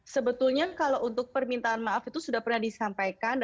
sebetulnya kalau untuk permintaan maaf itu sudah pernah disampaikan